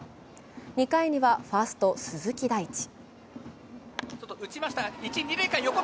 ２回にはファースト・鈴木大地。